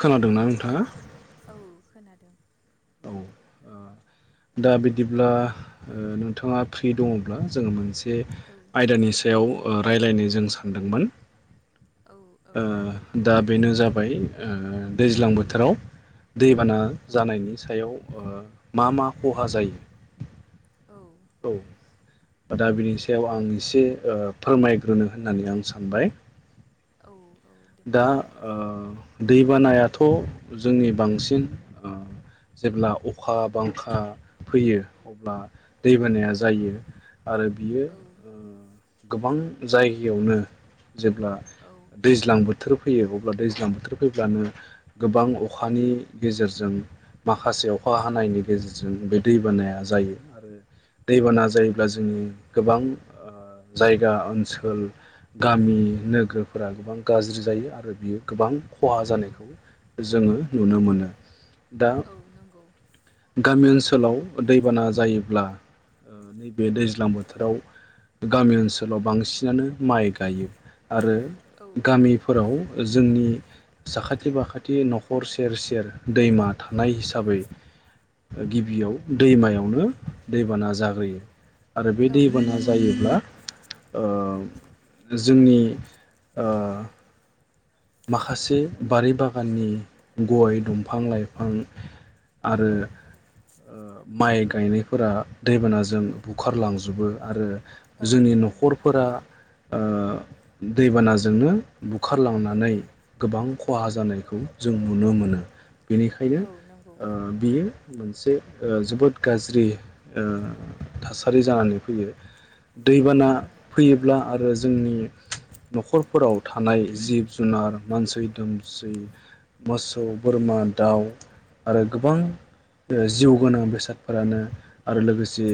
खोनादोंना नोंथाङा? औ खोनादों। दा बिदिब्ला नोंथाङा फ्रि दङब्ला जोङो मोनसे औ आयदानि सायाव रायलायनो जों सानदोंमोन। औ औ नंगौ ओ दा बेनो जा बाय ओ दैज्लां बोथोराव दैबाना औ जानायनि सायाव ओ मा मा खहा जायो? औ औ नंगौ दा बिनि सायाव आं एसे ओ फोरमायग्रोनो होननानै आं सानबाय। औ औ दे दा ओ दैबानायाथ' जोंनि बांसिन ओ जेब्ला अखा बांखा फैयो अब्ला औ दैबानायाया जायो आरो बियो औ ओ गोबां जायगायावनो। जेब्ला औ दै बोथोर फैयो अब्ला दैज्लां बोथोर फैब्लानो गोबां अखानि गेजेरजों माखासे अखा हानायनि गेजेरजों बे दैबानाया जायो आरो दैबाना औ जायोब्ला जोंनि गोबां ओ जायगा ओनसोल गामि नोगोरफोरा गोबां गाज्रि जायो आरो बियो गोबां खहा औ जानायखौ जोङो नुनो मोनो। दा औ नंगौ गामि ओनसो लाव दैबाना जायोब्ला ओ नैबे औ दैज्लां बोथोराव गामि ओनसोलाव बांसिनानो माइ गायो आरो औ गामिफोराव जोंनि साखाथि बाखाथि नखर सेर सेर दैमा थानाय हिसाबै गिबियाव दैमायावनो दैबाना जाग्रोयो। आरो बे औ दैबाना नंगौ जायोब्ला ओ जोंनि ओ माखासे बारि बागाननि गय दंफां लाइफां औ आरो ओ माइ गायनायफोरा दैबानाजों बुखारलांजोबो आरो औ जोंनि नंगौ न'खरफोरा ओ दैबानाजोंनो बुखारलांना नानै गोबां खहा जानायखौ जों नुनो मोनो। औ बेनिखायनो नंगौ ओ बियो मोनसे ओ जोबोद गाज्रि ओ थासारि जानानै फैयो। औ दैबाना फैयोब्ला आरो जोंनि नखरफोराव थानाय जिब जुनार मानसि दोमसै मोसौ बोरमा दाउ आरो गोबां जिउ ओ गोनां बेसादफोरानो आरो लोगोसे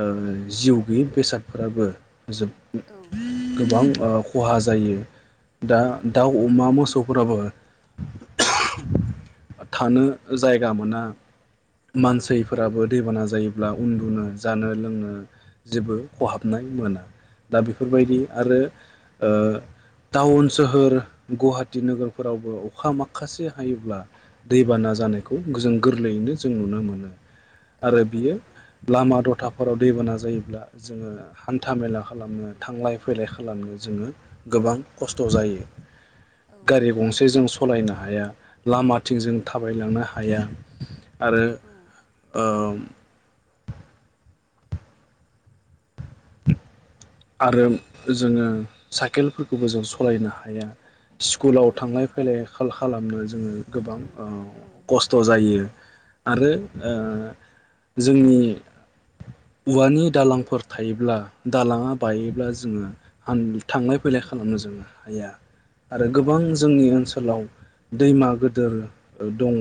ओ जिउ गैयि बेसादफोराबो जोब गोबां ओ खहा जायो दा औ दाउ अमा मोसौफोराबो थानो जायगा मोना मानसिफोराबो दैबाना जा जायोब्ला उन्दुनो जानो लोंनो जेबो खहाबनाय मोना दा बेफोरबायदि आरो ओ टाउन सोहोर गुवाहाटि नोगोरफोरावबो अखा माखासे हायोब्ला दैबाना जानायखौ जों गोर गोरलैयैनो जों नुनो मोनो। आरो बियो लामा दथा हराव दैबाना जायोब्ला जोङो हान्था मेला खालामनो थांलाय फैलाय खालामनो जोङो गोबां खस्थ' जायो औ गारि नंगौ गंसे जों सलायनो हाया लामाथिं औ जों थाबायलांनो हाया -या आरो औ ओ आरो जोङो साइकेलफोरखौबो जों सलायनो हाया औ स्कुलाव थांलाय नंगौ फैलाय खाल खालामनो जोङो औ गोबां ओ औ नंगौ औ खस्थ' जायो आरो ओ जोंनि औवानि दालांफोर थायोब्ला दालाङा औ औ बायोब्ला जोङो आं थांलाय फैलाय खालामनो जों हाया आरो औ गोबां नंगौ जोंनि ओनसोलाव दैमा गोदोर दङ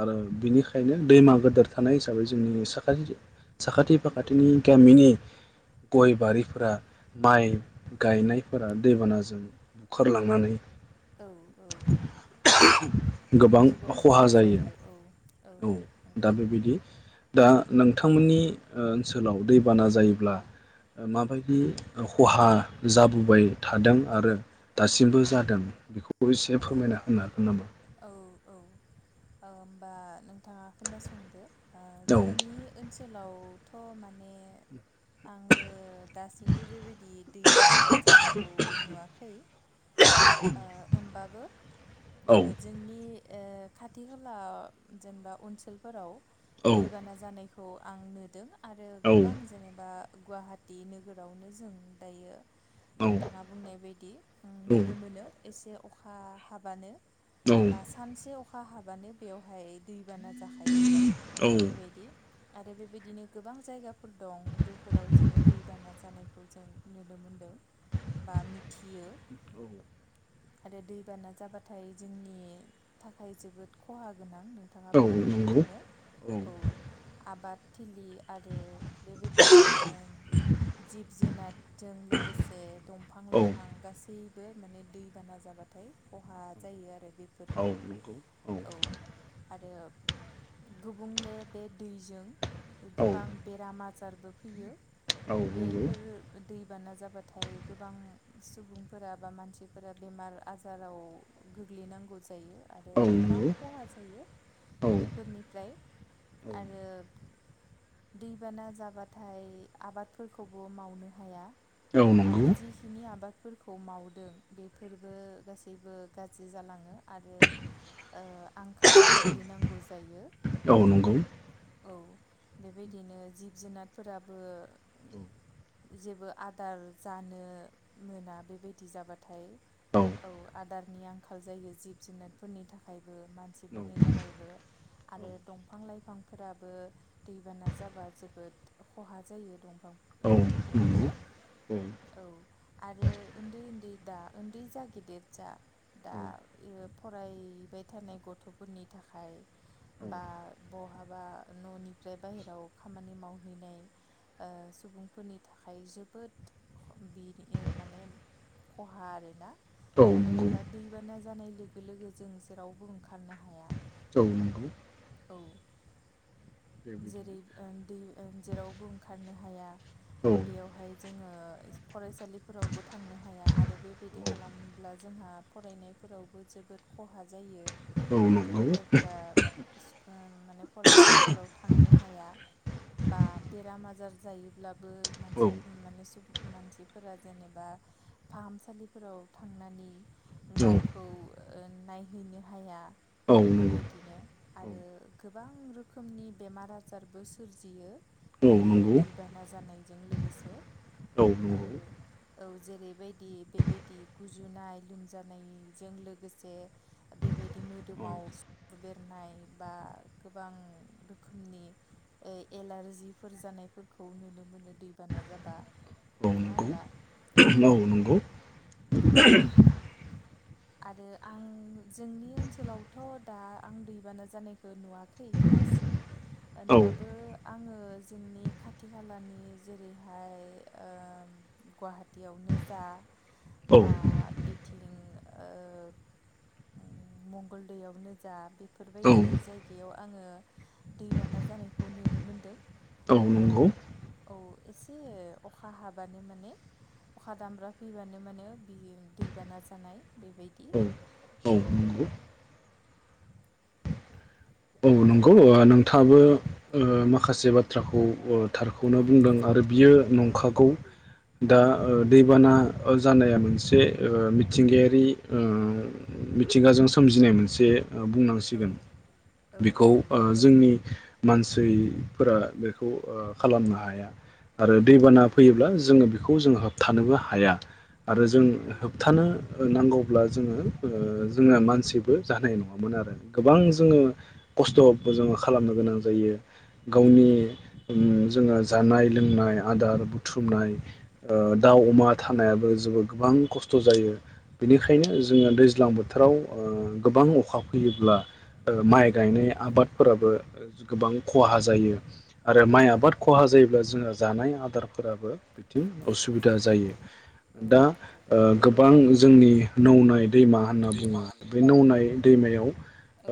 आरो बिनिखायनो औ दैमा गोदोर थानाय हिसाबै जोंनि साखाथि साखाथि फाखाथिनि गामिनि गय औ बारिफोरा माइ गायनायफोरा दैबानाजों बुखारलांनानै औ औ गोबां खहा जायो। औ दा नंगौ बेबायदि दा नोंथांमोननि ओ ओनसोलाव दैबाना जायोब्ला माबायदि खहा जाबोबाय थादों आरो दासिमबो जादों बेखौ बोसे औ फोरमायना होनो हागोन नामा? औ औ ओ होमबा नों आ खोनासंदो औ जोंनि ओनसोलाव थ' माने आङो दासिमबो बेबायदि दैबाना जानायखौ नुवाखै बाबो औ जोंनि ओ खाथि खाला जेनेबा ओनसोलफोराव औ दैबाना जानाय खौ आं नुदों आरो गोबां औ जेनेबा गुवाहाटि नोगोरावनो जों दायो औ नोंथाङा बुंनाय बायदि नुनो मोनो एसे अखा हाबानो। औ बा सानसे अ अखा हाबानो बेवहाय दैबाना। जाखायो औ बेबायदि। आरो बेबायदिनो गोबां जायगा। फोर दं बेफोराव जोङो दैबाना जानाय। खौ जों नुनो मोनदों बा मिथियो। आरो दैबाना जाबाथाय जोंनि थाखाय जोबोद खहा गोनां। नोंथाङा औ बुंनाय नंगौ बायदिनो औ आबाद। थिलि आरो बेबायदि ओ जिब जुनारजों लोगोसे दंफां औ लाइफां गासै बो माने दै बाना जाबाथाय खहा जायो आरो। बेफोरखौ औ आरो। गुबुंले बे। दैजों गोबां औ बेराम आजार। जारबो फैयो। नंगौ बेफोर दै। बाना जाबाथाय गोबां सुबुंफोरा बा मानसि फोरा बेमार आजाराव गोग्लैनांगौ जायो आरो औ गोबां नंगौ खहा जायो औ बेफोरनिफ्राय आरो दैबाना जाबाथाय आबादफोरखौबो मावनो हाया। औ आरो नंगौ जिखिनि आबाद। फोरखौ मावदों। बेफोरबो गासैबो गाज्रि जालाङो। आरो ओ आंखालाव गोग्लैनांगौ जायो। औ नंगौ औ बेबायदिनो जिब जुनारफोराबो [inaudible] जेबो आदार जानो मोना बेबायदि जाबा थाय। औ आदार नि आंखाल जायो जिब जुनारफोरनि थाखाय। बो मानसिफोरनि नंगौ थाखायबो आरो दंफां लाइफां फोराबो दैबाना जाबा जोबोद खहा जायो दंफां फां औ लाइफांफोरनिबो औ आरो उन्दै उन्दै दा ओन्दै जा गेदेर जा दा फरायबाय थानाय गथ'फोरनि थाखाय बा बहा बा न'निफ्राय बाहेरायाव खामानि मावहैनाय ओ सुबुंफोरनि थाखाय जोबोद बि माने खहा आरोना। औ मानो नंगौ होनबा दैबाना जानाय लोगो लोगो जों जेरावबो ओंखारनो हाया। औ नंगौ। औ। जेरै बेबायदिनो ओं दै ओं जेरावबो ओंखारनो हाया औ बेयावहाय जोङो ओ फरायसालिफोरावबो थांनो हाया आरो बेबायदि खालामब्ला जोंहा फरायनायफोरावबो जोबोद खहा जायो। औ गथ' नंगौ गथायफोरा ओम माने फरायसालि फोराव थांनो हाया बा बेराम आजार जायोब्ला बो औ मानसि माने सुबुं मानसिफोरा जेनोबा फाहामसालिफोराव थांनानै औ गावखौ ओ नायहैनो हाया। औ नंगौ बेबायदिनो आरो गोबां रो खोमनि बेमार आजारबो सोरजियो। औ बे नंगौ दैबाना जानायजों लोगोसे औ नंगौ औ ओ औ जेरैबायदि बेबायदि गुजुनाय लोमजानायजों लोगोसे बेबायदि मोदोमाव [unintelligible] बेरनाय बा गोबां रोखोमनि ए एलारजिफोर जानायफोरखौ नुनो मोनो दैबाना जाबा औ नङा नंगौ होनबा? औ नंगौ। औ आरो आं जोंनि ओनसोलावथ' दा आं दैबाना जानायखौ नुवाखै दासिम। औ होनबाबो आङो जोंनि खाथि खालानि जेरैहाय ओ गुवाहाटीयावनो जा बा बि थिं ओ मंगलदैयावनो जा बेफोरबायदि जायगायाव आङो दैबाना जानायखौ नुनो मोनदों। औ नंगौ ओ औ एसे अखा हाबानो माने अखा दामब्रा फैबानो माने बि दैबाना जानाय बेबायदि औ औ नंगौ बा नोंथाङाबो औ ओ मा खासे बाथ्राखौ ओ थारखौनो बुंदों आरो बियो औ नंखागौ औ दा दैबाना जानाया मोनसे ओ मिथिंगायारि ओ मिथिंगाजों सोमजिनाय मोनसे औ बुंनांसिगोन औ बेखौ ओ जोंनि मानसैफोरा बेखौ ओ खालामनो हाया आरो औ दैबाना फैयोब्ला जोङो बेखौ जों होबथानोबो हाया। आरो जों औ होबथानो नांगौब्ला जोङो ओ जोङो मानसिबो जानाय नङामोन आरो गोबां जोङो खस्थ'बो जोङो खालामनो गोनां जायो गावनि उङ जोङो जानाय लोंनाय आदार बुथुमनाय दाउ अमा थानायाबो जोबोद गोबां खस्थ' जायो बेनिखायनो जोङो दैज्लां बोथ बोथोराव ओ गोबां अखा फैयोब्ला ओ माइ औ गायनाय आबादफोराबो गोबां खहा जायो आरो औ माइ आबाद खहा जायोब्ला जोंहा जानाय आदारफोराबो बिथिं उसुबिदा औ जायो दा ओ गो गोबां जोंनि नौनाय दैमा होनना बुङो दैमा बे नौनाय दैमायाव औ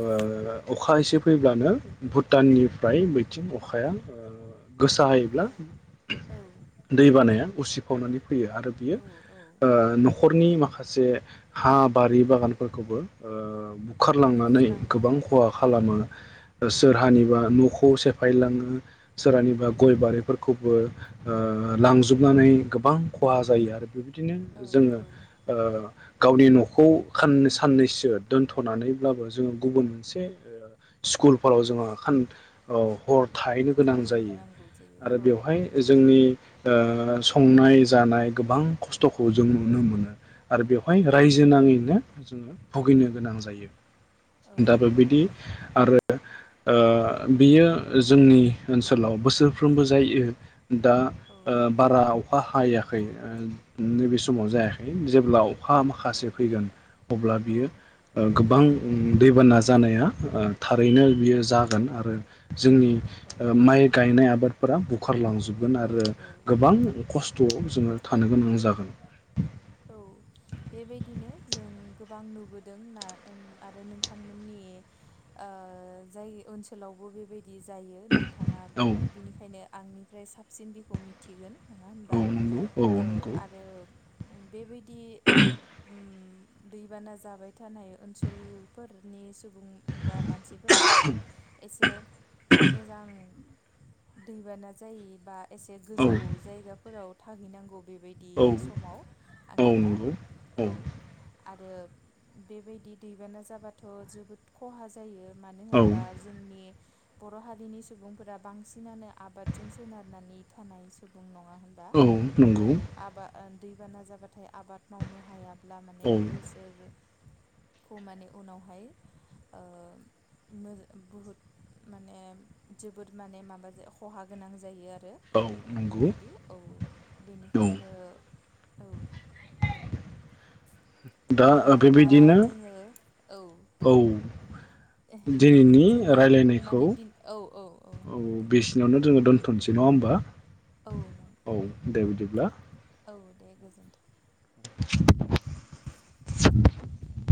ओ अखा एसे फैब्लानो भुटाननिफ्राय बैथिं अखाया ओ गोसाहायोब्ला औ दै बानाया उसिफावनानै फैयो आरो बियो औ ओ औ न'खरनि माखासे हा बारि बागानफोरखौबो ओ बुखारलांनानै गोबां सुस्रांलाङो औ खहा औ सोर हानिबा न'खौ सेफायलाङो सोरहानिबा औ गय बारिफोरखौबो ओ लांजोबनानै गोबां खहा जायो आरो बे बिदिनो औ जोङो औ ओ गावनि न'खौ खाननै साननैसो दोनथ'नानैब्लाबो जोङो गुबुन मोनसे स्कुलफोराव जोङो खान ओ हर थाहैनो गोनां थाहैनो जायो नांगौ जायो आरो औ बेवहाय जोंनि ओ संनाय जानाय गोबां खस्थ'खौ जों नुनो मोनो। आरो बेवहाय औ रायजो नाङैनो जोङो। भुगिनो गोनां जायो। औ औ दाबो बिदि। आरो ओ बेयो जोंनि ओनसोलाव बोसोरफ्रोमबो जायो दा ओ बारा अखा हायाखै नैबे समाव जायाखै जेब्ला अखा अखा माखासे फैगोन अब्ला बियो ओ। गोबां उ दैबाना जानाया। ओ थारैनो बियो जागोन आरो। जोंनि ओ माइ गायनाय आबा फोरा बुखारलांजोबगोन औ आरो औ गोबां खस्थ'आव जोङो। थानो गोनां जागोन। औ बेबायदिनो जों गोबां नुबोदों ना आरो नोंथांमोननि ओ जाय ओनसोलावबो बेबायदि बिदि जायो नोंथाङा औ बिनिखायनो आंनिफ्राय साबसिन बिखौ मिथिगोन। नङा होनबा औ नंगौ औ नंगौ आरो बेबायदि बे उम दैबाना जाबाय थानाय ओनसोलफोरनि सा सुबुं बा मानसिफोरा आरो एसे ओ मोजां। दैबाना जायो बा एसे औ गोजौ जायगाफोराव थाहैनांगौ। बेबायदि औ समाव। औ आंनिबा नंगौ औ आरो बेबायदि दैबाना जाबाथ' जोबोद खहा जायो। मानो औ होनबा जोंनि बर' हारिनि सुबुंफोरा बांसिनानो आबादजों सोनारनानै थानाय सुबुं नङ नङा होनबा औ औ नंगौ आबा दैबाना जाबाथाय आबाद मावनो हाया। ब्ला माने औ बोसोर खौ माने उनावहाय बुहुद माने जोबोद माने माबा खहा गोनां जायो आरो। क्षं औ आरो नंगौ बेबायदि औ औ बेनिखायनो औ दा होमबा बेबायदिनो जोङो औ दिनैनि जोङो रायलायनायखौ माने दिन औ दे बेसिनावनो नोंथां जोङो दोनथ'नोसै नङा होमबा औ नंगौ औ दे बिदिबा। दा औ दे गोजोन्थों [inaudible]